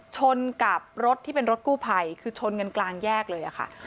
ชนกับรถที่เป็นรถกู้ไผ่คือชนกลางแยกเลยอ่ะค่ะ